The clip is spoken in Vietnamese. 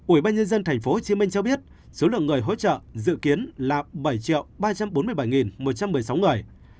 ủy ban nhân dân thành phố hồ chí minh cho biết số lượng người hỗ trợ dự kiến là bảy triệu ba trăm bốn mươi bảy nghìn một trăm một mươi sáu người